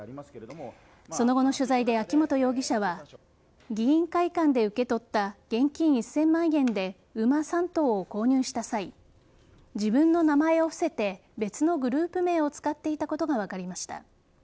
その後の取材で秋本容疑者は議員会館で受け取った現金１０００万円で馬３頭を購入した際自分の名前を伏せて別のグループ名を使っていたことが分かりました。